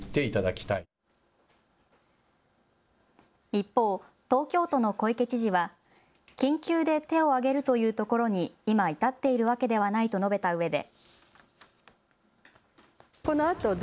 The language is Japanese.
一方、東京都の小池知事は緊急で手を挙げるというところに今、至っているわけではないと述べたうえで。